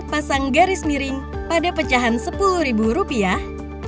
pasang garis miring pada pecahan sepuluh ribu rupiah